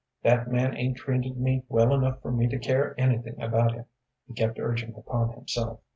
"That man 'ain't treated me well enough for me to care anything about him," he kept urging upon himself.